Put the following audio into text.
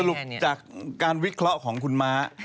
จากการวิเคราะห์ของคุณม้า